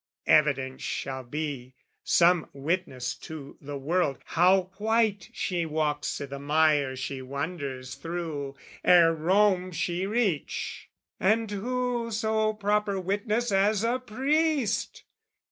Evidence shall be, Some witness to the world how white she walks I' the mire she wanders through ere Rome she reach. And who so proper witness as a priest?